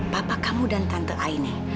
bapak kamu dan tante aini